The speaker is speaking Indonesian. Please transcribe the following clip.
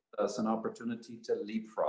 kesempatan untuk membalas keburu